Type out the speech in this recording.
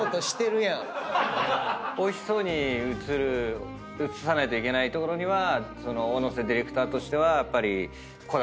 おいしそうに映る映さないといけないところには小野瀬ディレクターとしてはやっぱりこだわりがある？